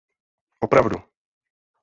Opravdu!